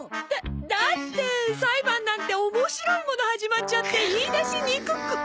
だって裁判なんて面白いもの始まっちゃって言い出しにくく。